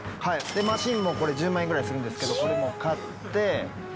マシンも１０万円ぐらいするんですけどこれも買って。